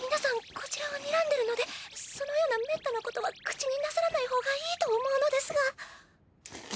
こちらをにらんでるのでそのようなめったなことは口になさらないほうがいいと思うのですが。